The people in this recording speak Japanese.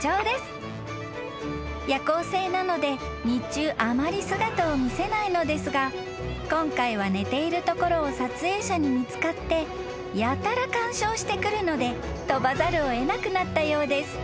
［夜行性なので日中あまり姿を見せないのですが今回は寝ているところを撮影者に見つかってやたら干渉してくるので飛ばざるを得なくなったようです］